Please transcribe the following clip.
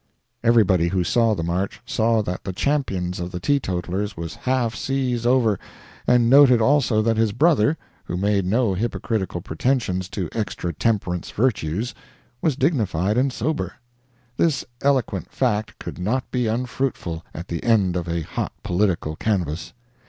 Everybody who saw the march, saw that the Champion of the Teetotalers was half seas over, and noted also that his brother, who made no hypocritical pretensions to extra temperance virtues, was dignified and sober. This eloquent fact could not be unfruitful at the end of a hot political canvass.